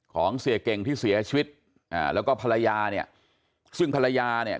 ของเสียเก่งที่เสียชีวิตอ่าแล้วก็ภรรยาเนี่ยซึ่งภรรยาเนี่ย